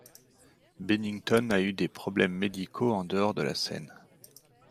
Bennington a eu des problèmes médicaux en dehors de la scène.